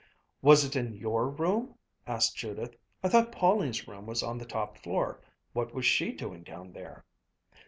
"Was it in your room?" asked Judith. "I thought Pauline's room was on the top floor. What was she doing down there?"